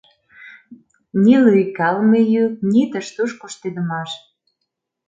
Ни лӱйкалыме йӱк, ни тыш-туш коштедымаш.